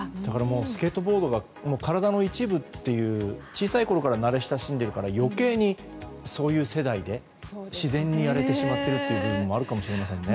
スケートボードが体の一部という小さいころから慣れ親しんでいるから余計にそういう世代で自然にやれてしまっている部分もあるかもしれませんね。